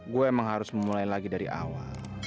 gue emang harus memulai lagi dari awal